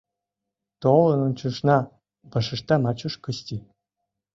— Толын ончышна, — вашешта Мачуш Кысти.